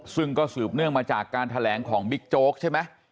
ซึ่งก็สืบเนื่องมาจากการแถลงของบิ๊กโจ๊กใช่ไหม